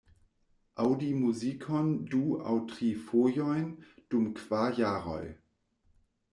Aŭdi muzikon du aŭ tri fojojn dum kvar jaroj!